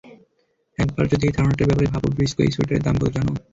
একবার যদি এই ধারণাটার ব্যাপারে ভাবো, ব্রিসকো, এই সোয়েটারের দাম কত জানো?